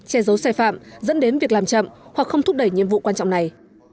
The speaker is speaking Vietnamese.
che giấu sai phạm dẫn đến việc làm chậm hoặc không thúc đẩy nhiệm vụ quan trọng này